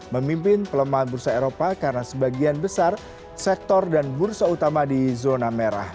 memimpin pelemahan bursa eropa karena sebagian besar sektor dan bursa utama di zona merah